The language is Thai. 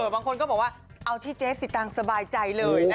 บางคนก็บอกว่าเอาที่เจ๊สิตังค์สบายใจเลย